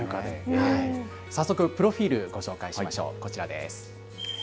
早速、プロフィールご紹介しましょう、こちらです。